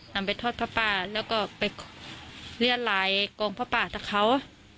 นำไปทอดพระป่าแล้วก็ไปเรียนหลายกรงพระป่าทั้งเขา